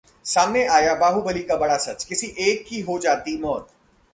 सामने आया 'बाहुबली' का बड़ा सच, किसी एक की हो जाती मौत